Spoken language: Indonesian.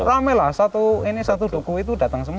iya rame lah satu duku itu datang semua